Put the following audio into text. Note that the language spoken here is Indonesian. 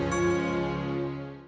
kamu sudah menemukan anissa